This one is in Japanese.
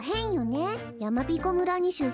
やまびこ村にしゅざいなんて。